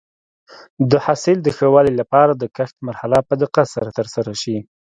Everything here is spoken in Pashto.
د حاصل د ښه والي لپاره د کښت مرحله په دقت سره ترسره شي.